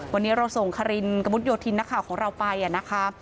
วันนี้เราส่งครินบุ๊ดโยทินของเราไปนะคะ